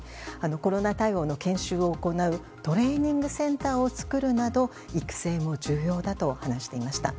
コロナ対応の研修を行うトレーニングセンターを作るなど育成も重要だと話していました。